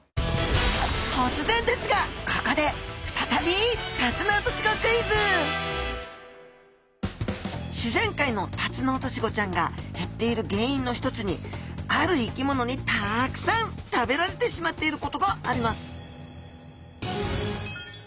とつぜんですがここで再び自然界のタツノオトシゴちゃんが減っている原因の一つにある生き物にたくさん食べられてしまっていることがあります